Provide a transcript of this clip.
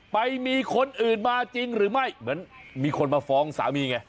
ไปมีคนอื่นมาจริงหรือไม่เหมือนมีคนมาฟ้องสามีไง